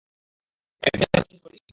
এখনি ওকে শেষ করে দিন!